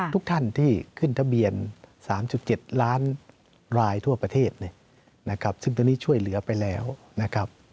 ทุกท่านที่ขึ้นทะเบียน๓๗ล้านรายทั่วประเทศเนี่ยนะครับซึ่งตอนนี้ช่วยเหลือไปแล้วนะครับ